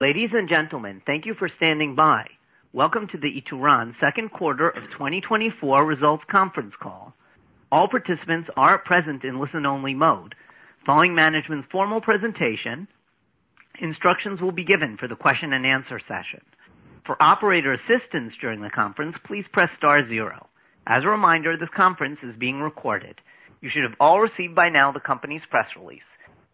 Ladies and gentlemen, thank you for standing by. Welcome to the Ituran second quarter of 2024 results conference call. All participants are present in listen-only mode. Following management's formal presentation, instructions will be given for the question-and-answer session. For operator assistance during the conference, please press star zero. As a reminder, this conference is being recorded. You should have all received by now the company's press release.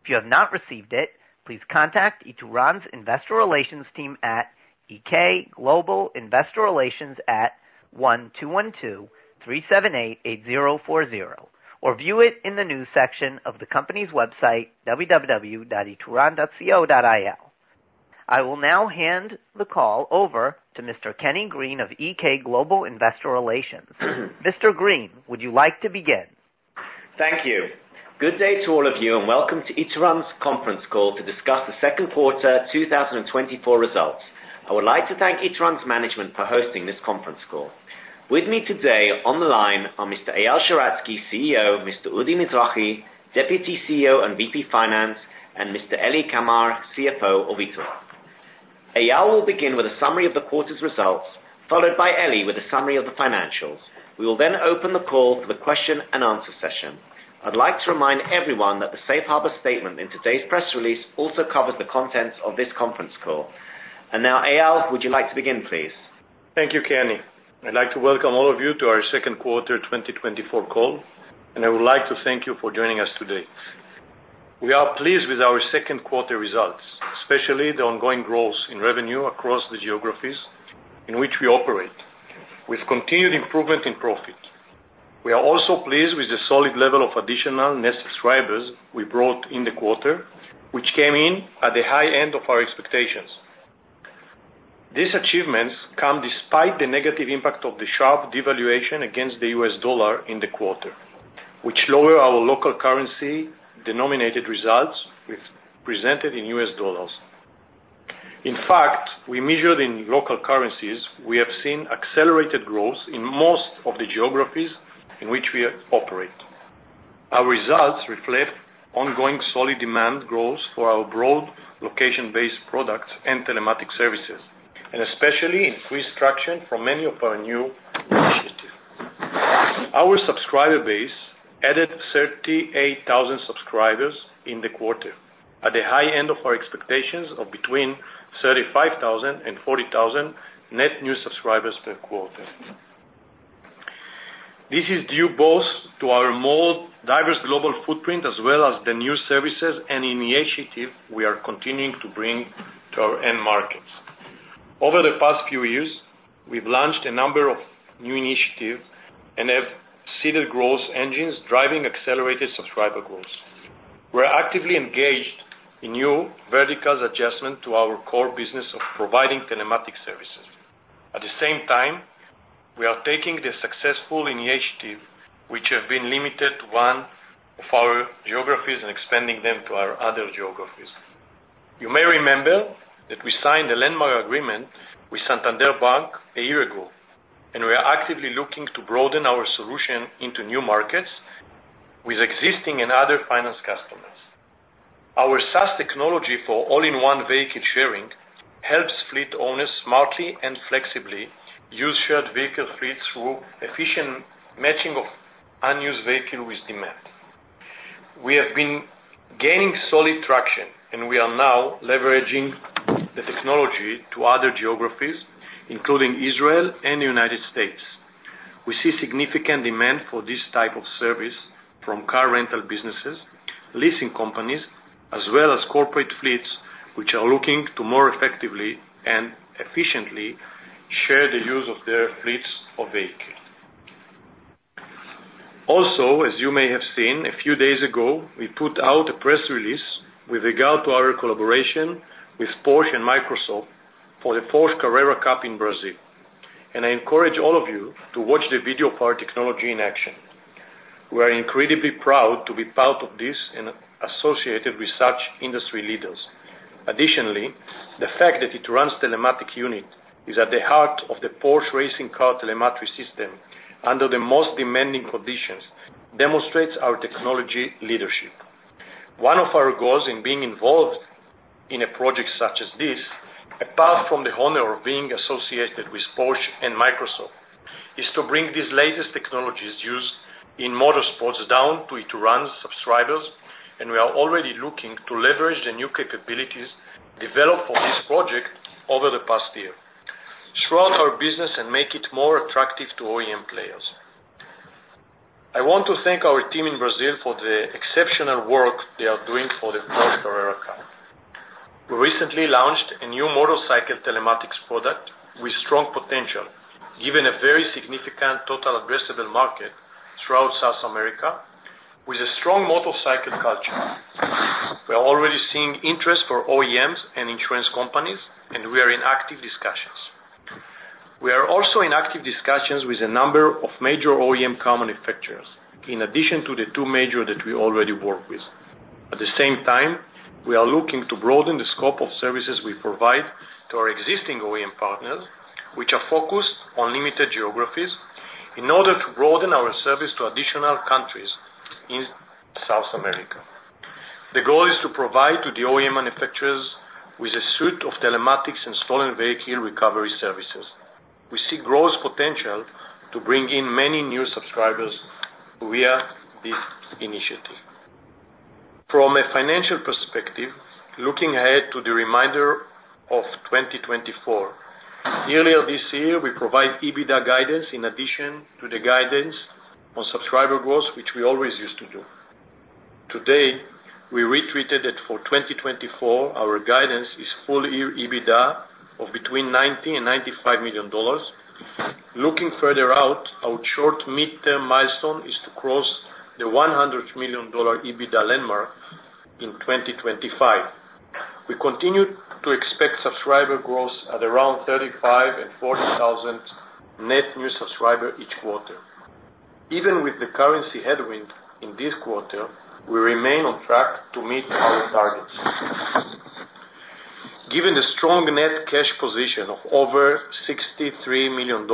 If you have not received it, please contact Ituran's Investor Relations team at EK Global Investor Relations at one two one two three seven eight eight zero four zero, or view it in the news section of the company's website, www.ituran.co.il. I will now hand the call over to Mr. Kenny Green of EK Global Investor Relations. Mr. Green, would you like to begin? Thank you. Good day to all of you, and welcome to Ituran's conference call to discuss the second quarter 2024 results. I would like to thank Ituran's management for hosting this conference call. With me today on the line are Mr. Eyal Sheratzky, CEO, Mr. Udi Mizrahi, Deputy CEO and VP Finance, and Mr. Eli Kamer, CFO of Ituran. Eyal will begin with a summary of the quarter's results, followed by Eli with a summary of the financials. We will then open the call for the question and answer session. I'd like to remind everyone that the safe harbor statement in today's press release also covers the contents of this conference call. And now, Eyal, would you like to begin, please? Thank you, Kenny. I'd like to welcome all of you to our second quarter 2024 call, and I would like to thank you for joining us today. We are pleased with our second quarter results, especially the ongoing growth in revenue across the geographies in which we operate, with continued improvement in profit. We are also pleased with the solid level of additional net subscribers we brought in the quarter, which came in at the high end of our expectations. These achievements come despite the negative impact of the sharp devaluation against the U.S. dollar in the quarter, which lower our local currency denominated results we've presented in U.S. dollars. In fact, we measured in local currencies, we have seen accelerated growth in most of the geographies in which we operate. Our results reflect ongoing solid demand growth for our broad location-based products and telematics services, and especially increased traction from many of our new initiatives. Our subscriber base added 38,000 subscribers in the quarter, at the high end of our expectations of between 35,000 and 40,000 net new subscribers per quarter. This is due both to our more diverse global footprint, as well as the new services and initiatives we are continuing to bring to our end markets. Over the past few years, we've launched a number of new initiatives and have seeded growth engines driving accelerated subscriber growth. We're actively engaged in new vertical adjacencies to our core business of providing telematics services. At the same time, we are taking the successful initiatives, which have been limited to one of our geographies and expanding them to our other geographies. You may remember that we signed a landmark agreement with Santander Bank a year ago, and we are actively looking to broaden our solution into new markets with existing and other finance customers. Our SaaS technology for all-in-one vehicle sharing helps fleet owners smartly and flexibly use shared vehicle fleets through efficient matching of unused vehicle with demand. We have been gaining solid traction, and we are now leveraging the technology to other geographies, including Israel and the United States. We see significant demand for this type of service from car rental businesses, leasing companies, as well as corporate fleets, which are looking to more effectively and efficiently share the use of their fleets of vehicles. Also, as you may have seen, a few days ago, we put out a press release with regard to our collaboration with Porsche and Microsoft for the Porsche Carrera Cup in Brazil. I encourage all of you to watch the video of our technology in action. We are incredibly proud to be part of this and associated with such industry leaders. Additionally, the fact that Ituran's telematics unit is at the heart of the Porsche racing car telematics system under the most demanding conditions demonstrates our technology leadership. One of our goals in being involved in a project such as this, apart from the honor of being associated with Porsche and Microsoft, is to bring these latest technologies used in motorsports down to Ituran subscribers, and we are already looking to leverage the new capabilities developed for this project over the past year throughout our business and make it more attractive to OEM players. I want to thank our team in Brazil for the exceptional work they are doing for the Porsche Carrera Cup. We recently launched a new motorcycle telematics product with strong potential, given a very significant total addressable market throughout South America, with a strong motorcycle culture. We are already seeing interest for OEMs and insurance companies, and we are in active discussions. We are also in active discussions with a number of major OEM car manufacturers, in addition to the two major that we already work with. At the same time, we are looking to broaden the scope of services we provide to our existing OEM partners, which are focused on limited geographies, in order to broaden our service to additional countries in South America. The goal is to provide to the OEM manufacturers with a suite of telematics and stolen vehicle recovery services. We see growth potential to bring in many new subscribers via this initiative. From a financial perspective, looking ahead to the remainder of 2024, earlier this year, we provide EBITDA guidance in addition to the guidance on subscriber growth, which we always used to do. Today, we reiterated that for 2024, our guidance is full year EBITDA of between $90 and 95 million. Looking further out, our short midterm milestone is to cross the $100 million EBITDA landmark in 2025. We continue to expect subscriber growth at around 35,000 and 40,000 net new subscriber each quarter. Even with the currency headwind in this quarter, we remain on track to meet our targets. Given the strong net cash position of over $63 million,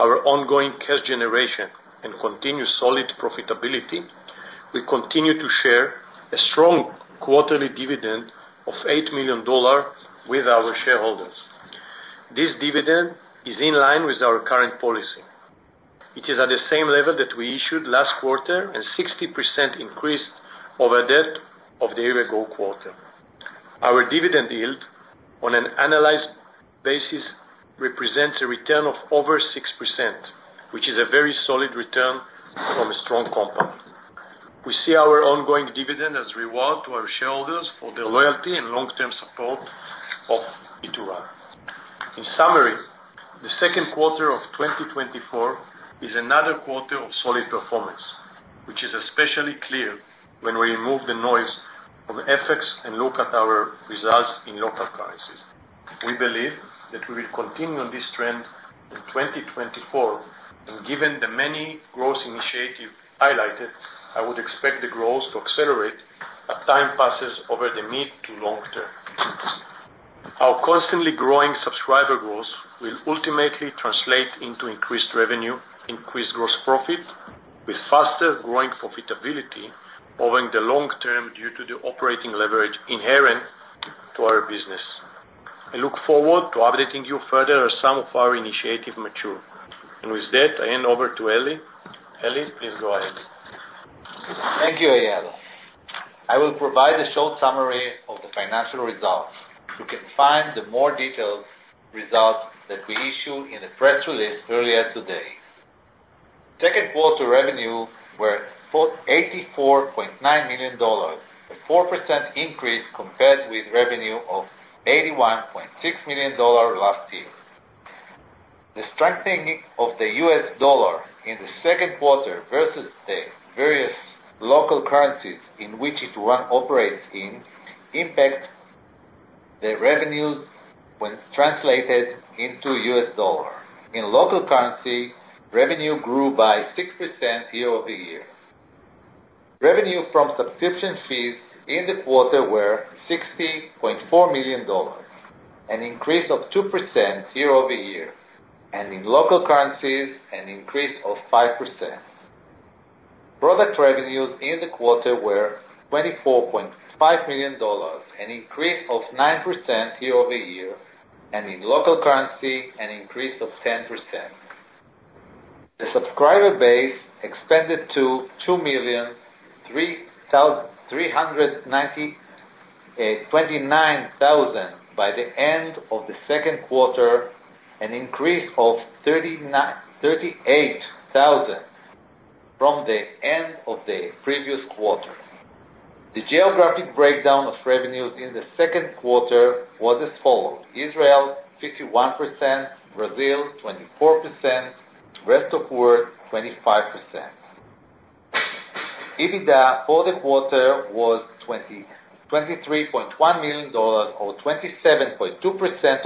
our ongoing cash generation, and continued solid profitability, we continue to share a strong quarterly dividend of $8 million with our shareholders. This dividend is in line with our current policy. It is at the same level that we issued last quarter, and 60% increase over that of the year ago quarter. Our dividend yield on an annualized basis represents a return of over 6%, which is a very solid return from a strong company. We see our ongoing dividend as reward to our shareholders for their loyalty and long-term support of Ituran. In summary, the second quarter of 2024 is another quarter of solid performance, which is especially clear when we remove the noise of effects and look at our results in local currencies. We believe that we will continue on this trend in 2024, and given the many growth initiatives highlighted, I would expect the growth to accelerate as time passes over the mid to long term. Our constantly growing subscriber growth will ultimately translate into increased revenue, increased gross profit, with faster growing profitability over the long term due to the operating leverage inherent to our business. I look forward to updating you further as some of our initiatives mature. And with that, I hand over to Eli. Eli, please go ahead. Thank you, Eyal. I will provide a short summary of the financial results. You can find the more detailed results that we issued in the press release earlier today. Second quarter revenue were for $84.9 million, a 4% increase compared with revenue of $81.6 million last year. The strengthening of the U.S. dollar in the second quarter versus the various local currencies in which Ituran operates in, impact the revenues when translated into U.S. dollar. In local currency, revenue grew by 6% year-over-year. Revenue from subscription fees in the quarter were $60.4 million, an increase of 2% year-over-year, and in local currencies, an increase of 5%. Product revenues in the quarter were $24.5 million, an increase of 9% year-over-year, and in local currency, an increase of 10%. The subscriber base expanded to 2,329,000 by the end of the second quarter, an increase of 38,000 from the end of the previous quarter. The geographic breakdown of revenues in the second quarter was as follows: Israel 51%, Brazil 24%, rest of world 25%. EBITDA for the quarter was $23.1 million or 27.2%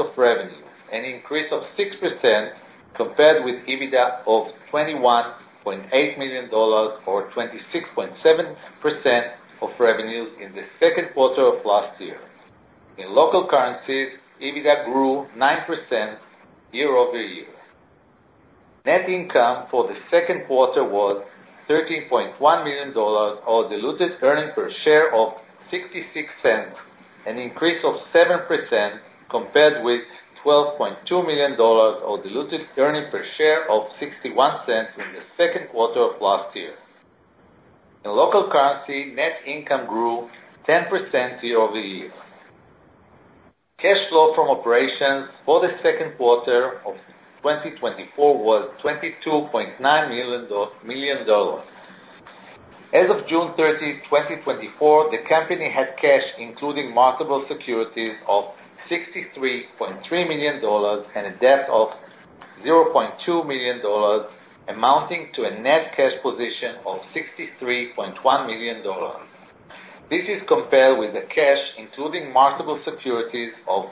of revenue, an increase of 6% compared with EBITDA of $21.8 million, or 26.7% of revenue in the second quarter of last year. In local currencies, EBITDA grew 9% year-over-year. Net income for the second quarter was $13.1 million, or diluted earnings per share of $0.66, an increase of 7% compared with $12.2 million, or diluted earnings per share of $0.61 in the second quarter of last year. In local currency, net income grew 10% year-over-year. Cash flow from operations for the second quarter of 2024 was $22.9 million dollars. As of June thirtieth, 2024, the company had cash, including marketable securities, of $63.3 million and a debt of $0.2 million, amounting to a net cash position of $63.1 million. This is compared with the cash, including marketable securities, of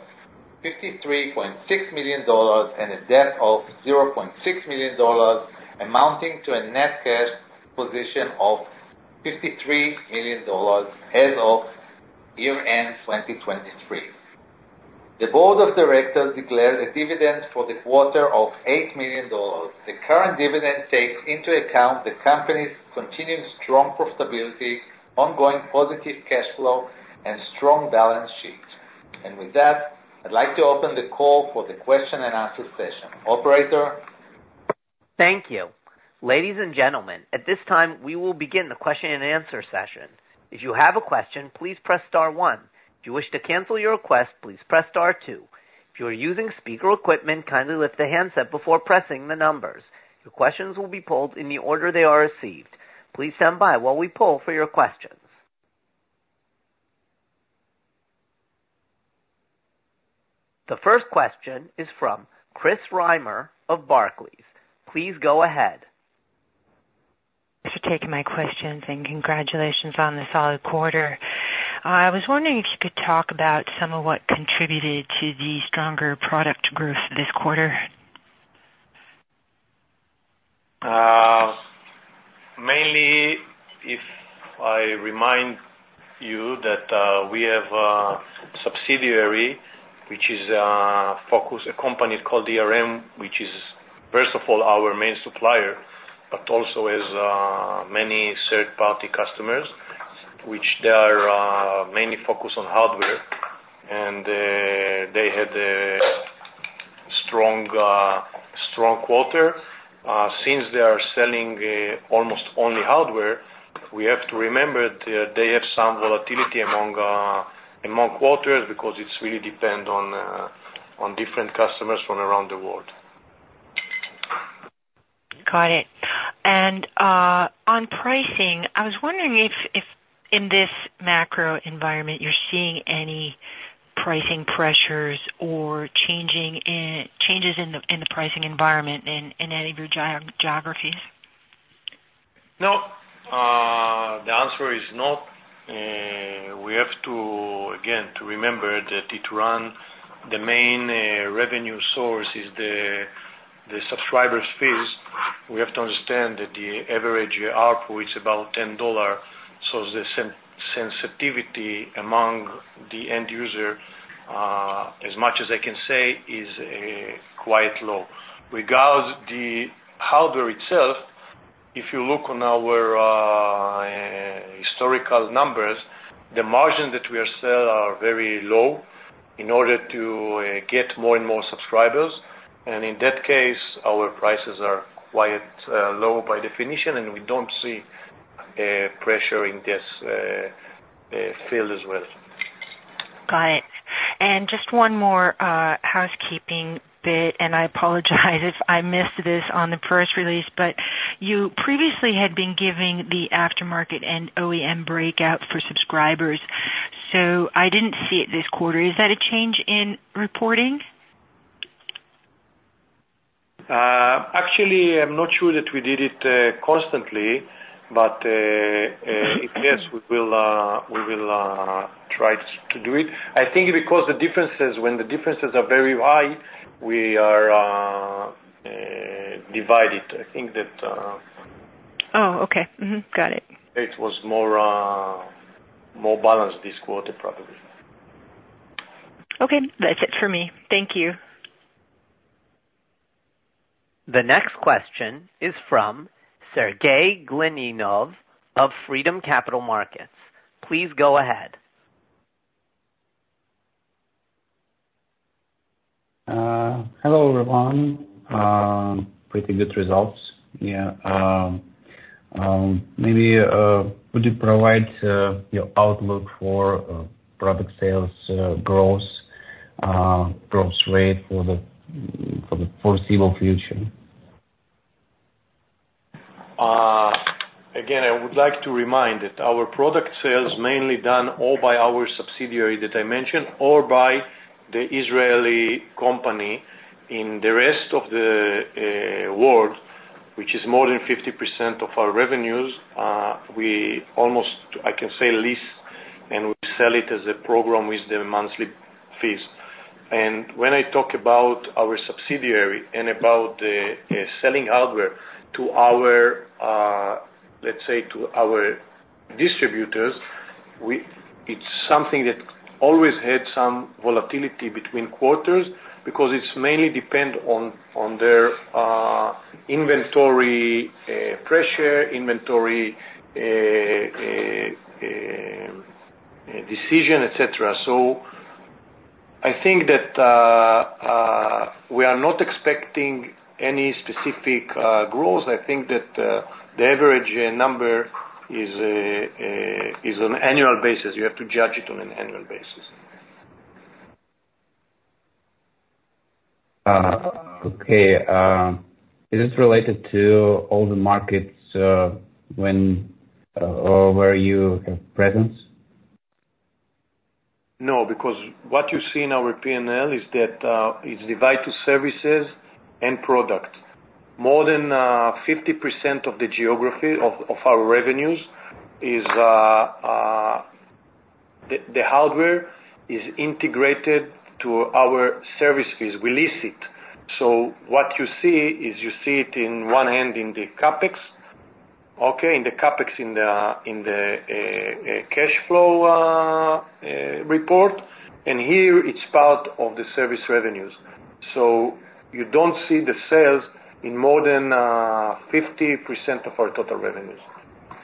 $53.6 million and a debt of $0.6 million, amounting to a net cash position of $53 million as of year-end 2023. The Board of Directors declared a dividend for the quarter of $8 million. The current dividend takes into account the company's continued strong profitability, ongoing positive cash flow, and strong balance sheet. And with that, I'd like to open the call for the question and answer session. Operator? Thank you. Ladies and gentlemen, at this time, we will begin the question-and-answer session. If you have a question, please press star one. If you wish to cancel your request, please press star two. If you are using speaker equipment, kindly lift the handset before pressing the numbers. Your questions will be pulled in the order they are received. Please stand by while we pull for your questions. The first question is from Chris Reimer of Barclays. Please go ahead. Thanks for taking my questions, and congratulations on the solid quarter. I was wondering if you could talk about some of what contributed to the stronger product growth this quarter. Mainly, if I remind you that we have a subsidiary, which is focus a company called DRM, which is, first of all, our main supplier, but also has many third-party customers, which they are mainly focused on hardware, and they had a strong quarter. Since they are selling almost only hardware, we have to remember that they have some volatility among quarters because it's really depend on different customers from around the world. Got it. And on pricing, I was wondering if in this macro environment, you're seeing any pricing pressures or changes in the pricing environment in any of your geographies? No. The answer is no. We have to, again, to remember that Ituran, the main revenue source is the subscribers fees. We have to understand that the average ARPU is about $10, so the sensitivity among the end user, as much as I can say, is quite low. Regardless, the hardware itself, if you look on our historical numbers, the margin that we are sell are very low in order to get more and more subscribers, and in that case, our prices are quite low by definition, and we don't see a pressure in this field as well. Got it. And just one more housekeeping bit, and I apologize if I missed this on the first release, but you previously had been giving the aftermarket and OEM breakout for subscribers, so I didn't see it this quarter. Is that a change in reporting? Actually, I'm not sure that we did it constantly, but if yes, we will try to do it. I think because the differences, when the differences are very high, we are divide it. I think that... Oh, okay. Got it. It was more balanced this quarter, probably. Okay. That's it for me. Thank you. The next question is from Sergey Klyain of Freedom Capital Markets. Please go ahead. Hello, everyone. Pretty good results. Yeah, maybe could you provide your outlook for product sales growth rate for the foreseeable future? Again, I would like to remind that our product sales mainly done all by our subsidiary that I mentioned, or by the Israeli company. In the rest of the world, which is more than 50% of our revenues, we almost, I can say, lease, and we sell it as a program with the monthly fees, and when I talk about our subsidiary and about selling hardware to our, let's say, to our distributors, it's something that always had some volatility between quarters because it's mainly depend on their inventory pressure, inventory decision, etc, so I think that we are not expecting any specific growth. I think that the average number is on annual basis. You have to judge it on an annual basis. Okay. Is this related to all the markets, when, or where you have presence? No, because what you see in our P&L is that it's divided to services and products. More than 50% of the geography of our revenues is the hardware is integrated to our service fees. We lease it. So what you see is you see it in one end, in the CapEx. Okay, in the CapEx, in the cash flow report, and here it's part of the service revenues. So you don't see the sales in more than 50% of our total revenues.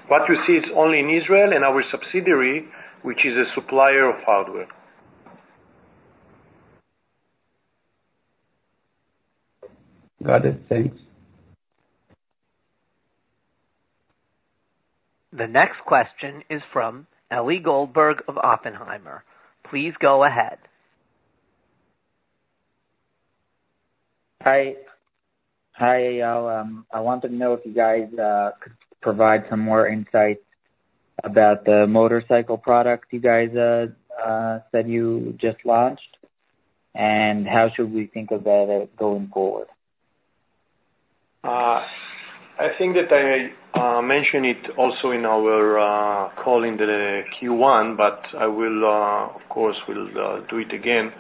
What you see is only in Israel, and our subsidiary, which is a supplier of hardware. Got it. Thanks. The next question is from Ellie Goldberg of Oppenheimer. Please go ahead. Hi, Eyal. I wanted to know if you guys could provide some more insights about the motorcycle product you guys said you just launched, and how should we think about it going forward? I think that I mentioned it also in our call in the Q1, but I will, of course, do it again.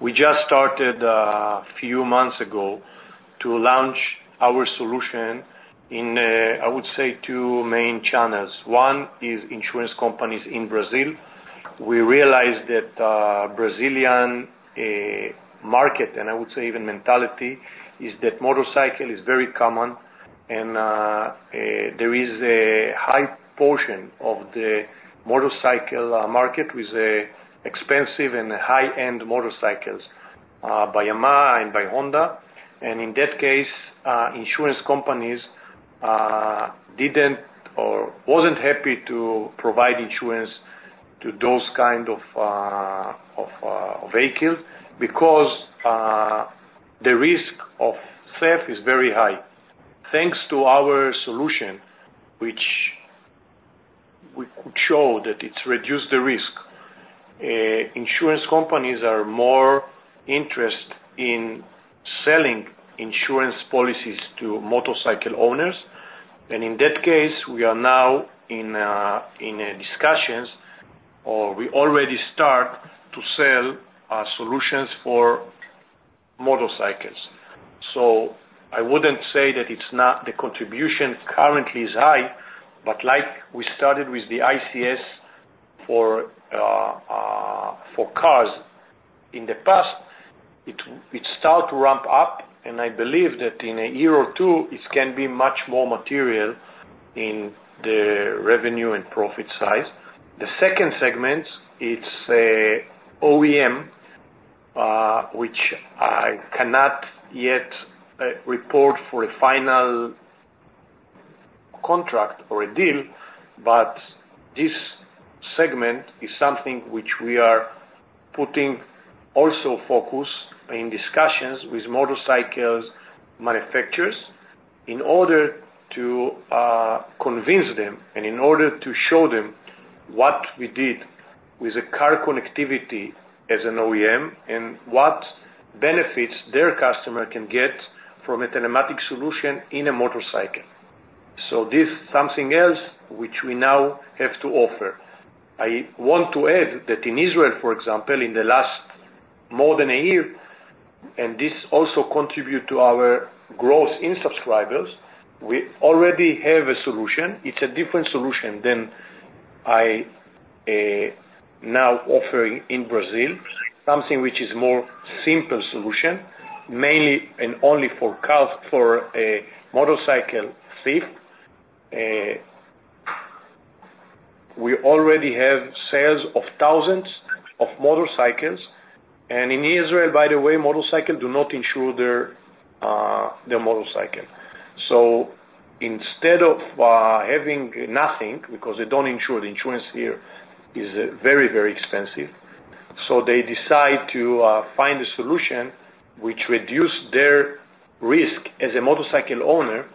We just started, a few months ago, to launch our solution in, I would say two main channels. One is insurance companies in Brazil. We realized that, Brazilian market, and I would say even mentality, is that motorcycle is very common and, there is a high portion of the motorcycle market with, expensive and high-end motorcycles, by Yamaha and by Honda. And in that case, insurance companies, didn't or wasn't happy to provide insurance to those kind of vehicle, because, the risk of theft is very high. Thanks to our solution, which we could show that it's reduced the risk, insurance companies are more interested in selling insurance policies to motorcycle owners. And in that case, we are now in discussions, or we already start to sell our solutions for motorcycles. So I wouldn't say the contribution currently is high, but like we started with the ICS for cars. In the past, it start to ramp up, and I believe that in a year or two, it can be much more material in the revenue and profit side. The second segment, it's a OEM, which I cannot yet report for a final contract or a deal, but this segment is something which we are putting also focus in discussions with motorcycle manufacturers, in order to convince them, and in order to show them what we did with the car connectivity as an OEM, and what benefits their customer can get from a telematics solution in a motorcycle, so this something else which we now have to offer. I want to add that in Israel, for example, in the last more than a year, and this also contribute to our growth in subscribers, we already have a solution. It's a different solution than I now offering in Brazil, something which is more simpler solution, mainly and only for cost, for a motorcycle theft. We already have sales of thousands of motorcycles, and in Israel, by the way, motorcyclists do not insure their motorcycles. So instead of having nothing, because they don't insure, the insurance here is very, very expensive. So they decide to find a solution which reduce their risk as a motorcycle owner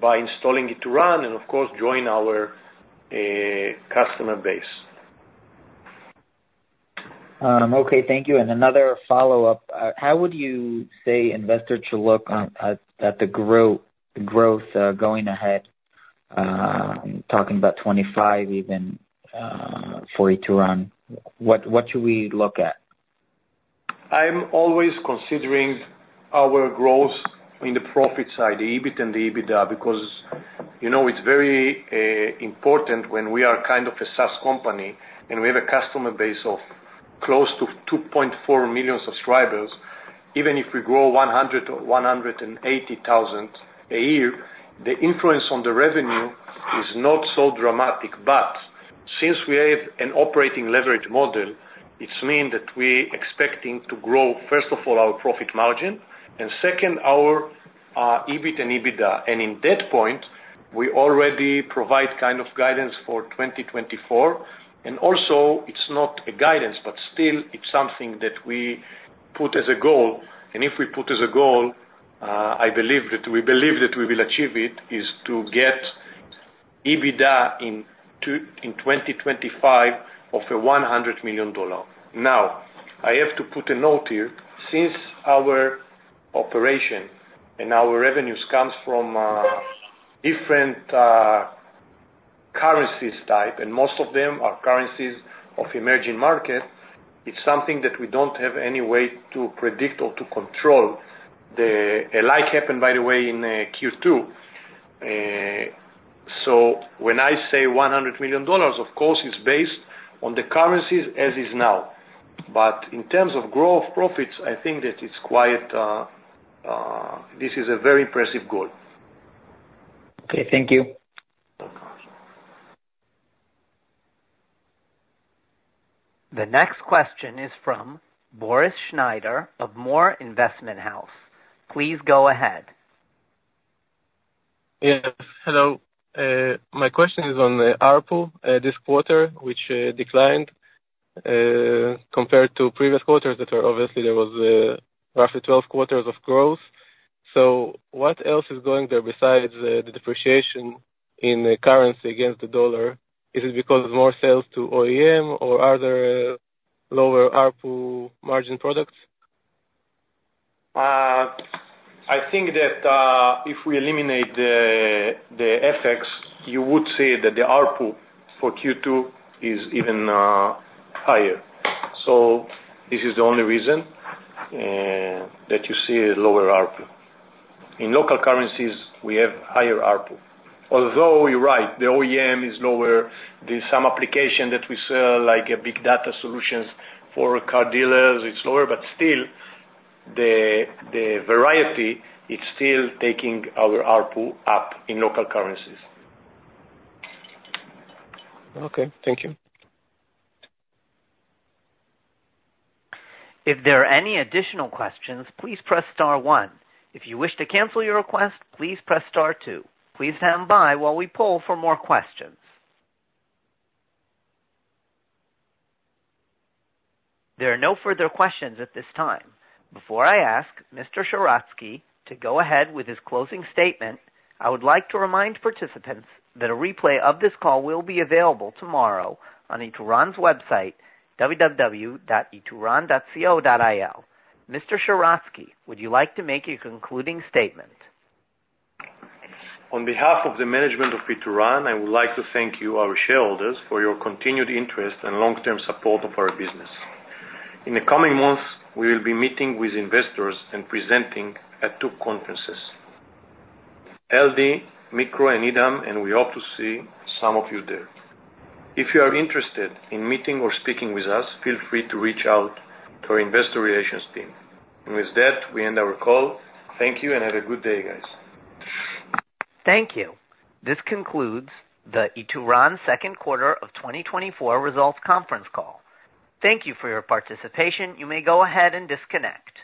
by installing Ituran and, of course, join our customer base. Okay, thank you. Another follow-up. How would you say investors should look at the growth going ahead? Talking about 2025, even, for it to run. What should we look at? I'm always considering our growth in the profit side, the EBIT and the EBITDA, because, you know, it's very important when we are kind of a SaaS company, and we have a customer base of close to 2.4 million subscribers. Even if we grow 100 or 180 thousand a year, the influence on the revenue is not so dramatic. But since we have an operating leverage model, it's mean that we're expecting to grow, first of all, our profit margin, and second, our EBIT and EBITDA. And in that point, we already provide kind of guidance for 2024, and also it's not a guidance, but still it's something that we put as a goal. And if we put as a goal, I believe that, we believe that we will achieve it, is to get EBITDA in 2025 of $100 million. Now, I have to put a note here. Since our operation and our revenues comes from different currencies type, and most of them are currencies of emerging markets, it's something that we don't have any way to predict or to control. The like happened, by the way, in Q2. So when I say $100 million, of course, it's based on the currencies as is now. But in terms of growth, profits, I think that it's quite, this is a very impressive goal. Okay, thank you. The next question is from Boris Shnayder of More Investment House. Please go ahead. Yes, hello. My question is on the ARPU this quarter, which declined compared to previous quarters that are obviously there was roughly 12 quarters of growth. So what else is going there besides the depreciation in the currency against the dollar? Is it because of more sales to OEM or are there lower ARPU margin products? I think that if we eliminate the FX, you would say that the ARPU for Q2 is even higher. So this is the only reason that you see a lower ARPU. In local currencies, we have higher ARPU. Although you're right, the OEM is lower. There's some application that we sell, like Big Data solutions for car dealers, it's lower, but still the variety, it's still taking our ARPU up in local currencies. Okay, thank you. If there are any additional questions, please press star one. If you wish to cancel your request, please press star two. Please stand by while we poll for more questions. There are no further questions at this time. Before I ask Mr. Sheratzky to go ahead with his closing statement, I would like to remind participants that a replay of this call will be available tomorrow on Ituran's website, www.ituran.co.il. Mr. Sheratzky, would you like to make a concluding statement? On behalf of the management of Ituran, I would like to thank you, our shareholders, for your continued interest and long-term support of our business. In the coming months, we will be meeting with investors and presenting at two conferences, LD Micro, and IDAM, and we hope to see some of you there. If you are interested in meeting or speaking with us, feel free to reach out to our investor relations team. And with that, we end our call. Thank you and have a good day, guys. Thank you. This concludes the Ituran second quarter of 2024 results conference call. Thank you for your participation. You may go ahead and disconnect.